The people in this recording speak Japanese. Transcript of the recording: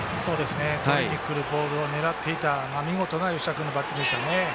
とりにくるボールを狙っていた見事な吉田君のバッティングでしたね。